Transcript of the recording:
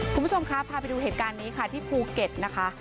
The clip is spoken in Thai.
คุณผู้ชมครับพาไปดูเหตุการณ์นี้ค่ะที่ภูเก็ตนะคะ